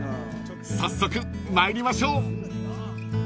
［早速参りましょう］